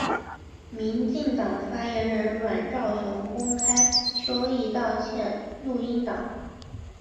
民进党发言人阮昭雄公开邱毅道歉录音档。